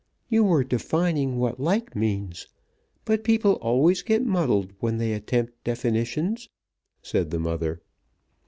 "You were defining what 'like' means. But people always get muddled when they attempt definitions," said the mother.